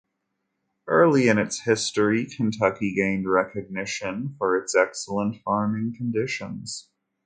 Early in its history Kentucky gained recognition for its excellent farming conditions.